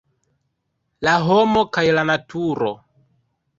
La homo kaj la naturo.